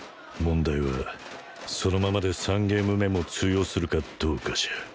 問題はそのままで３ゲーム目も通用するかどうかじゃ